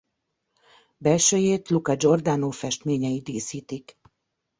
Belsőjét Luca Giordano festményei díszítik.